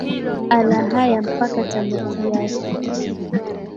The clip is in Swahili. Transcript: ala haya mpaka tamati yake